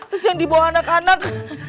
terus yang dibawa anak anak